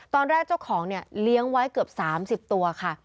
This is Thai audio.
ตอนแรกเจ้าของเนี้ยเลี้ยงไว้เกือบสามสิบตัวค่ะ